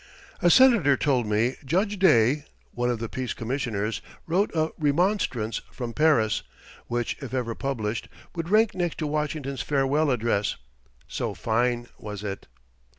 A senator told me Judge Day, one of the Peace Commissioners, wrote a remonstrance from Paris, which if ever published, would rank next to Washington's Farewell Address, so fine was it.